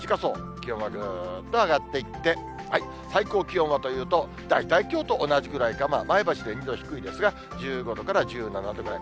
気温はぐっと上がっていって、最高気温はというと、大体きょうと同じぐらいか、前橋で２度低いですが、１５度から１７度ぐらい。